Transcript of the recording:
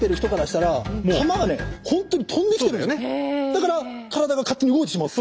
だから体が勝手に動いてしまうという。